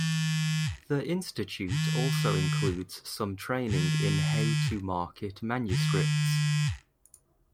The institute also includes some training in how to market manuscripts.